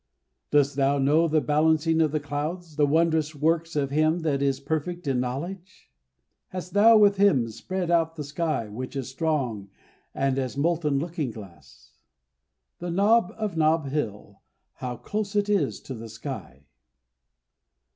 "Dost thou know the balancings of the clouds, the wondrous works of Him that is perfect in knowledge?" "Hast thou with Him spread out the sky, which is strong, and as a molten looking glass?" The nob of Nob Hill, how close it is to the sky.